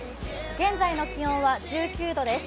現在の気温は１９度です。